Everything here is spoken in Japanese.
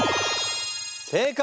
正解！